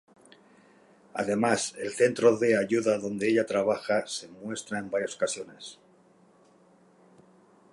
Además, el Centro de ayuda donde Ella trabaja se muestra en varias ocasiones.